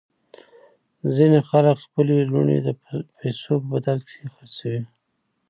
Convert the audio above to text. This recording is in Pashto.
ځینې خلک خپلې لوڼې د پیسو په بدل کې خرڅوي.